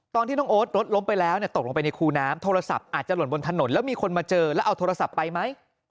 ตอนที่น้องโอ๊ตรถล้มไปแล้วตกลงไปในคูน้ำโทรศัพท์อาจจะหล่นบนถนนแล้วมีคนมาเจอแล้วเอาโทรศัพท์ไปไหม